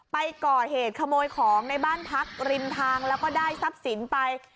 ไปก่อเหตุขโมยของในบ้านพักริมทางแล้วก็ได้ทรัพย์สินไป